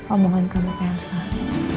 omongan kamu yang salah